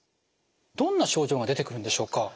どんな症状が出てくるんでしょうか？